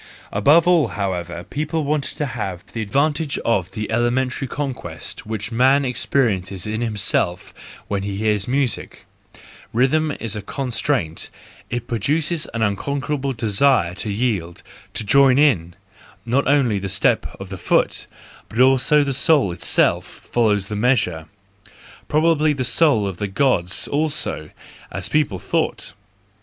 Above all, however, people wanted to have the advantage of the elementary conquest which man experiences in himself when he hears music: rhythm is a con¬ straint ; it produces an unconquerable desire to yield, to join in ; not only the step of the foot, but also the soul itself follows the measure,— probably the soul of the Gods also, as people thought!